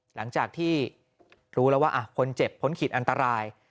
หลังจากที่รู้แล้วว่าคนเจ็บพ้นขีดอันตราย